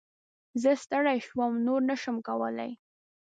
زه ستړی شوم ، نور نه شم کولی !